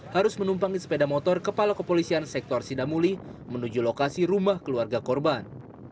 harus menumpangi sepeda motor kepala kepolisian sektor sidamuli menuju lokasi rumah keluarga korban